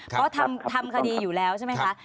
เพราะทำคดีอยู่แล้วใช่ไหมคะ